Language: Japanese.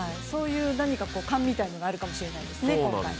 そういう勘みたいなのがあるかもしれないですね。